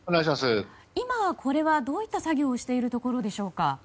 今、これはどういった作業をしているところでしょうか。